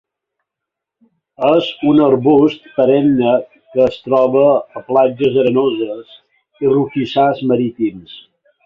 És un arbust perenne que es troba a platges arenoses i roquissars marítims.